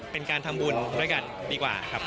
เป็นการทำบุญด้วยกันดีกว่าครับ